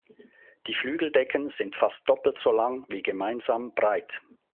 Die Flügeldecken sind fast doppelt so lang wie gemeinsam breit.